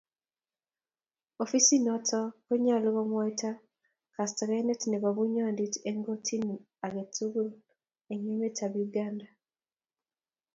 ofisinoto konyolu komwaita kastakane nebo bunyondit eng' kotinit age tugul eng' wmetab Uganda.